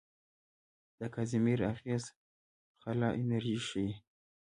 د کازیمیر اغېز خلا انرژي ښيي.